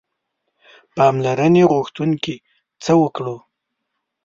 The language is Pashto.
پاملرنې غوښتونکي څه وکړو.